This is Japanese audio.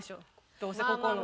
どうせここの。